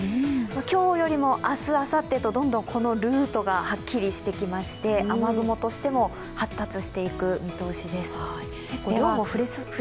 今日よりも明日、あさってと、どんどんこのルートがはっきりとしてきまして雨雲としましても発達していく見通しです。